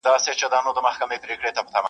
خدای ورکړئ یو سړي ته داسي زوی ؤ,